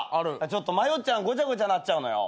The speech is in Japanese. ちょっと迷っちゃうごちゃごちゃなっちゃうのよ。